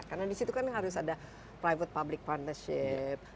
karena di situ kan harus ada private public partnership